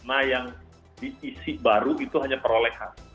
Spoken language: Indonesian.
nah yang diisi baru itu hanya peroleh hasil